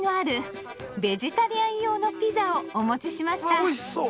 うわおいしそう！